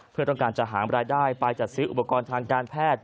เพื่อต้องการจะหารายได้ไปจัดซื้ออุปกรณ์ทางการแพทย์